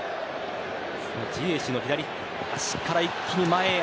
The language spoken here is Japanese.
ジエシュの左足から一気に前へ。